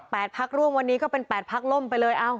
พักร่วมวันนี้ก็เป็นแปดพักล่มไปเลย